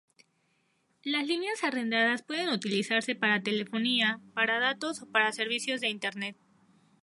Las líneas arrendadas pueden utilizarse para telefonía, para datos o para servicios de Internet.